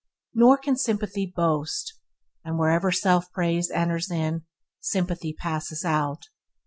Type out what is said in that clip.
Nor can sympathy boast, and wherever self praise enters in, sympathy passes out.